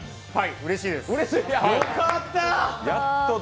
うれしいです！